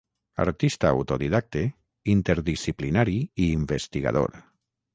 Artista autodidacte, interdisciplinari i investigador.